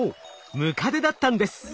ムカデだったんです。